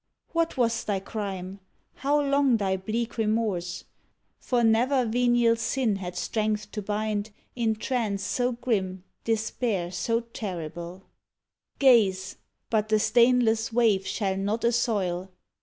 What was thy crime*? How long thy bleak remorse? For never venial sin had strength to bind In trance so grim despair so terrible. 105 REMORSE Gaze I but the stainless wave shall not assoil